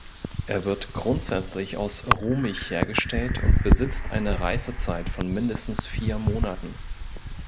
Er wird grundsätzlich aus Rohmilch hergestellt und besitzt eine Reifezeit von mindestens vier Monaten.